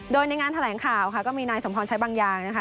โดยในงานแถลงข่าวค่ะก็มีนายสมพรใช้บางอย่างนะคะ